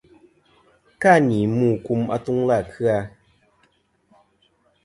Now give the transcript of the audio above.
Ka ni mu kum atuŋlɨ à kɨ-a.